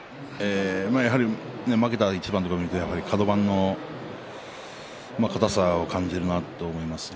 やはり負けた一番とか見ているとカド番も硬さを感じるなと思いますね。